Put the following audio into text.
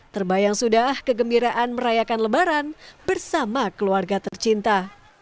terbayang sudah kegembiraan merayakan lebaran bersama keluarga tercinta